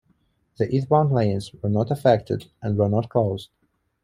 The eastbound lanes were not affected and were not closed.